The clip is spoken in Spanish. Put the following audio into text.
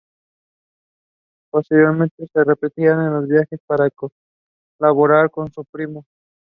Posteriormente se repetirían los viajes para colaborar con su primo.